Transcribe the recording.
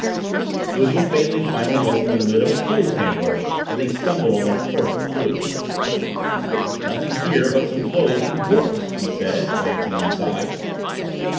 It was when Bailey finally opened the lid of a clothes hamper that they stumbled on their first clue. "Nothing here but some clothes and books," he said, glancing inside.